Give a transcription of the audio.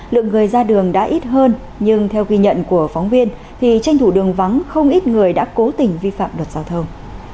lượng người ra đường đã ít hơn nhưng theo ghi nhận của phóng viên thì tranh thủ đường vắng không ít người đã cố tình vi phạm luật giao thông